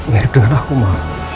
mirip dengan aku ma